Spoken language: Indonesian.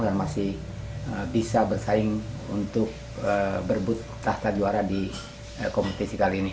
dan masih bisa bersaing untuk berbut tahta juara di kompetisi kali ini